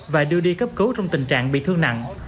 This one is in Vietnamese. và đưa đi các nạn nhân